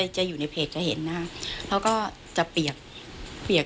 จะอยู่ในเพจจะเห็นนะครับแล้วก็จะเปียก